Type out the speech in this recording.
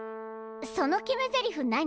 その決めゼリフ何？